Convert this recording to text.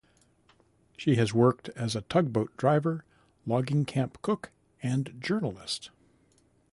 She has worked as a tug boat driver, logging camp cook and journalist.